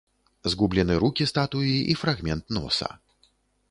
Згублены рукі статуі і фрагмент носа.